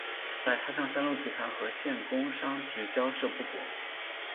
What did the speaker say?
后来他向三鹿集团和县工商局交涉不果。